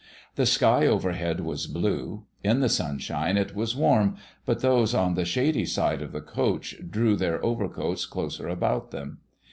The sky overhead was blue. In the sunshine it was warm, but those on the shady side of the coach drew their overcoats closer about them.